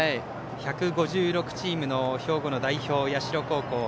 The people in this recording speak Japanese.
１５６チームの兵庫の代表社高校。